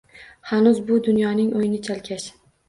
Hanuz bu dunyoning o’yini chalkash.